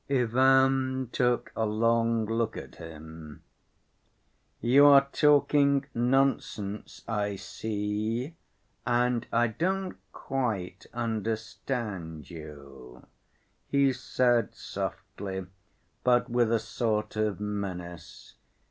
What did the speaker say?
Ivan took a long look at him. "You are talking nonsense, I see, and I don't quite understand you," he said softly, but with a sort of menace.